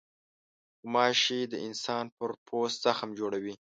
غوماشې د انسان پر پوست زخم جوړوي.